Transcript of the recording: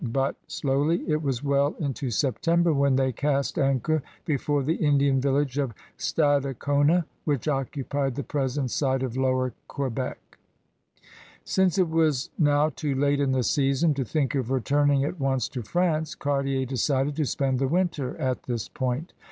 A VOYAGEUR OF BRITTANY 21 slowly, it was well into September when they cast anchor before the Indian village of Stadacona which occupied the present site of Lower Quebec. Since it was now too late in the season to think of returning at once to France, Cartier decided to spend the winter at this point.